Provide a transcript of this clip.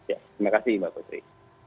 ya terima kasih mbak putri